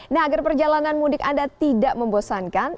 nah agar perjalanan mudik anda tidak membosankan